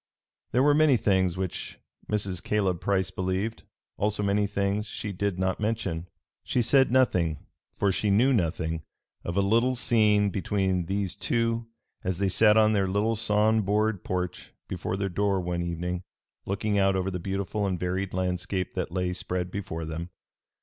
There were many things which Mrs. Caleb Price believed; also many things she did not mention. She said nothing, for she knew nothing, of a little scene between these two as they sat on their little sawn board porch before their door one evening, looking out over the beautiful and varied landscape that lay spread before them.